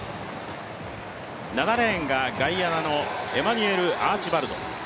７レーンがガイアナのエマニュエル・アーチバルド。